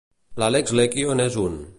L'Álex Lecquio n'és un.